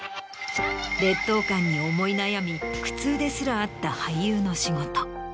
劣等感に思い悩み苦痛ですらあった俳優の仕事。